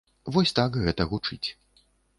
Вось так гэта гучыць.